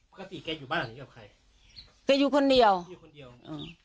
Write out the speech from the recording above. ปกติแกอยู่บ้านอย่างนี้กับใครแกอยู่คนเดียวอยู่คนเดียวอ่า